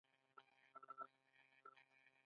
تور غر په کوم زون کې موقعیت لري؟